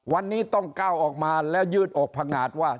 วันนี้ต้องก้าวออกมาแล้วยืดอกพังงาดว่า